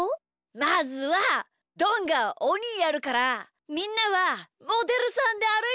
まずはどんがおにやるからみんなはモデルさんであるいてきてよ。